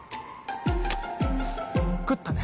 食ったね。